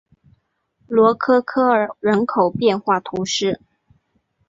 罗科科尔人口变化图示